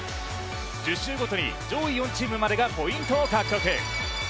１０周ごとに上位４チームまでがポイントを獲得。